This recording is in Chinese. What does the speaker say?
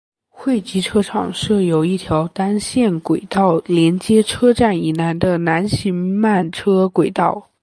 汇集车厂设有一条单线轨道连接车站以南的南行慢车轨道。